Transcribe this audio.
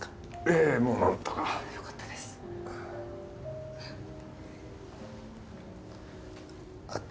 ええもう何とかよかったですあっ